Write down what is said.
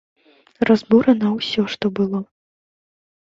Разбурана ўсё, што было.